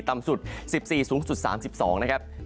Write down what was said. ต่ำสุด๑๔สูงสุด๓๒นะครับ